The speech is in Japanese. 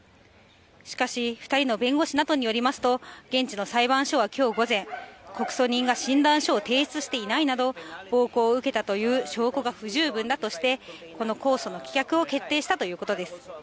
しかし、２人の弁護士などによりますと、現地の裁判所はきょう午前、告訴人が診断書を提出していないなど、暴行を受けたという証拠が不十分だとして、この公訴の棄却を決定したということです。